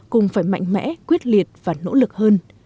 cùng phải mạnh mẽ quyết liệt và nỗ lực hơn